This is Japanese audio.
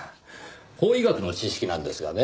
法医学の知識なんですがね